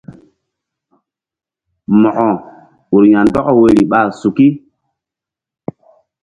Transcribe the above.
Mo̧ko ur ya̧ ndɔk woyri ɓa suki.